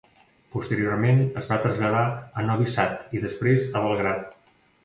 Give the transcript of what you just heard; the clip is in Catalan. Posteriorment es va traslladar a Novi Sad i després a Belgrad.